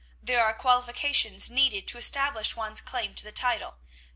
There are qualifications needed to establish one's claim to the title.